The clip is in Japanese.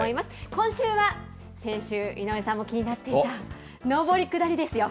今週は、先週、井上さんも気になっていた、上り下りですよ。